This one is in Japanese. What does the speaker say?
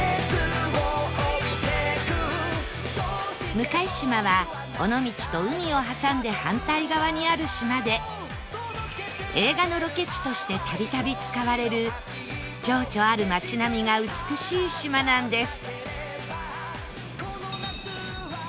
向島は尾道と海を挟んで反対側にある島で映画のロケ地として度々使われる情緒ある街並みが美しい島なんです